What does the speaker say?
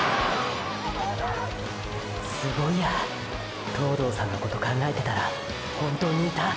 すごいや東堂さんのこと考えてたら本当にいた！！